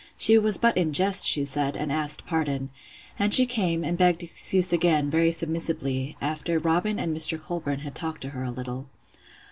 She was but in jest, she said, and asked pardon: And she came, and begged excuse again, very submissively, after Robin and Mr. Colbrand had talked to her a little.